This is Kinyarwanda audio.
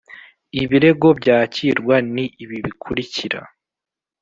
Ibirego byakirwa ni ibi bikurikira